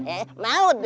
eh mau dong